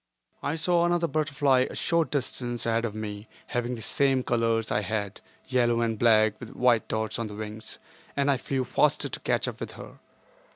I saw another butterfly a short distance ahead of me having the same colors I had—yellow and black with white dots on the wings—and I flew faster to catch up with her.